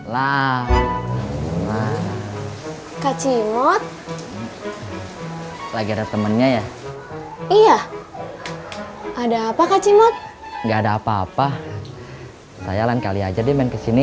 lah kacimot lagi temennya ya iya ada apa kacimot nggak ada apa apa saya lain kali aja di main kesini